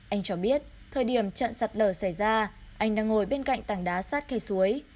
anh cho biết thời điểm trận sạt lở xảy ra anh đang ngồi bên cạnh tảng đá sát cây suối